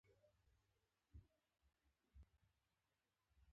بدرنګه خندا خالي وي